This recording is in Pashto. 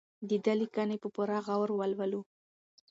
د ده لیکنې په پوره غور ولولو.